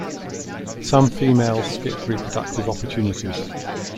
Some females skip reproductive opportunities.